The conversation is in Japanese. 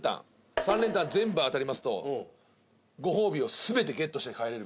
３連単全部当たりますとご褒美を全てゲットして帰れるみたいですよ。